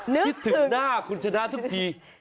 นึกถึงหน้าคุณชนะทุกที